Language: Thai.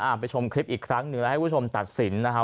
ไปชมคลิปอีกครั้งหนึ่งแล้วให้คุณผู้ชมตัดสินนะฮะ